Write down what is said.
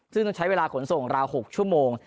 ซึ่งต้องใช้เวลาขนส่งราว๖ชั่วโมง